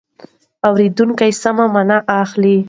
اورېدونکی سمه مانا اخلي.